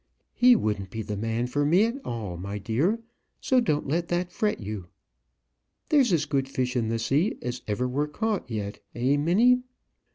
"He wouldn't be the man for me at all, my dear; so don't let that fret you." "There's as good fish in the sea as ever were caught yet; eh, Minnie?"